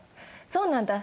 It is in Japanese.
そうなんだ。